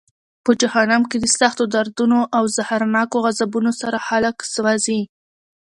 په جهنم کې د سختو دردونو او زهرناکو عذابونو سره خلک سوزي.